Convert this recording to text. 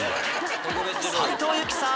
斉藤由貴さん